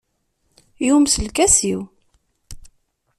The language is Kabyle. Yumes lkas-iw.